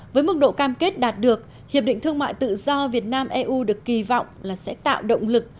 với mức độ cam kết đạt được hiệp định thương mại tự do việt nam eu được kỳ vọng là sẽ tạo động lực